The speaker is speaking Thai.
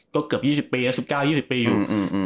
ก็เกือบ๒๐ปีนะ๑๙๒๐ปีอยู่